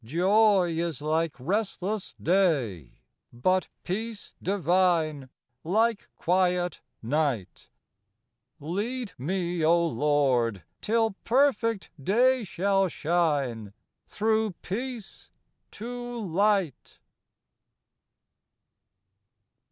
Joy is like restless day : but peace divine Like quiet night: Lead me, O Lord, — till perfect Day shall shine, Through Peace to Light.